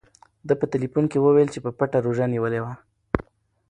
ده په ټیلیفون کې وویل چې په پټه روژه نیولې وه.